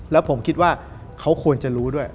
แล้วผมคิดว่าเขาควรจะรู้ด้วย